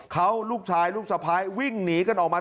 เขาลูกชายลูกสะพ้ายวิ่งหนีกันออกมา